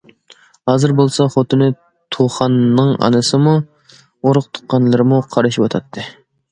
ھازىر بولسا خوتۇنى تۇخاننىڭ ئانىسىمۇ، ئۇرۇق- تۇغقانلىرىمۇ قارىشىۋاتاتتى.